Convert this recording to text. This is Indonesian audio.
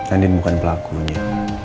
andien bukan pelakunya